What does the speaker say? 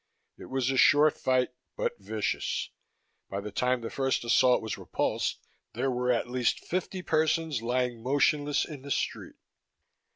It was a short fight but vicious. By the time the first assault was repulsed there were at least fifty persons lying motionless in the street.